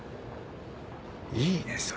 いいねそれ。